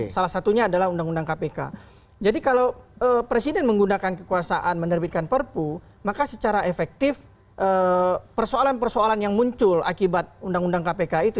salah satunya adalah undang undang kpk jadi kalau presiden menggunakan kekuasaan menerbitkan perpu maka secara efektif persoalan persoalan yang muncul akibat undang undang kpk itu